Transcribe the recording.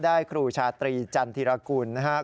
ครูชาตรีจันทิรกุลนะครับ